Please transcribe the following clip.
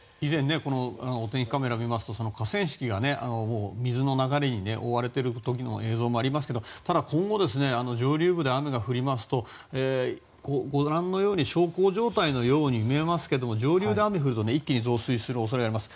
お天気カメラを見ますと河川敷が水の流れに覆われている時の映像もありましたけど今後、上流部で雨が降りますと小康状態に見えますけど上流で雨が降ると一気に増水する恐れがあります。